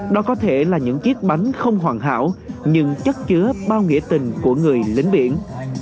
đó có thể là những chiếc bánh không hoàn hảo nhưng chất chứa bao nghĩa tình của người lính biển